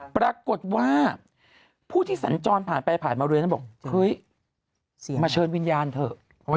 ปรากฏว่าผู้ที่สัญจรผ่านไปผ่านมาบริเวณนั้นบอกเฮ้ยมาเชิญวิญญาณเถอะ